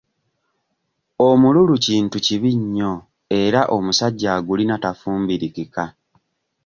Omululu kintu kibi nnyo era omusajja agulina tafumbirikika.